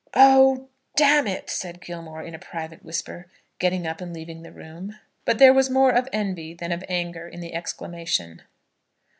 "Oh, d n it!" said Gilmore, in a private whisper, getting up and leaving the room; but there was more of envy than of anger in the exclamation.